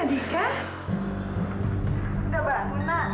udah bakal muntah